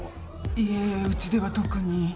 いえうちでは特に。